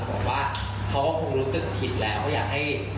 เพราะว่าอันนี้เขาก็เครี่ยดผมใจเหมือนกัน